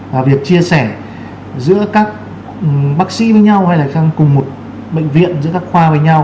và việc chia sẻ giữa các bác sĩ với nhau hay là trong cùng một bệnh viện giữa các khoa với nhau